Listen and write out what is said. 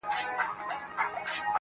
هرڅوک د خپلې کورنۍ لپاره وي شهزاده